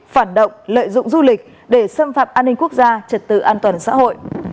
phản động lợi dụng du lịch để xâm phạm an ninh quốc gia trật tự an toàn xã hội